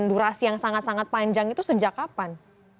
dan durasi yang sangat sangat panjang itu sejak kapan